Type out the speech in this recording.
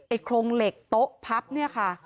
โครงเหล็กโต๊ะพับเนี่ยค่ะ